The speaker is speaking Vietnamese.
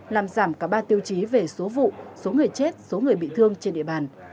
làm giảm cả ba tiêu chí về số vụ số người chết số người bị thương trên địa bàn